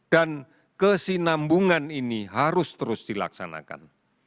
dan kesinambungan ini harus terus dilaksanakan